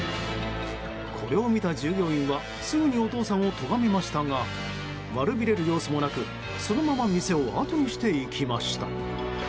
これを見た従業員は、すぐにお父さんをとがめましたが悪びれる様子もなく、そのまま店をあとにしていきました。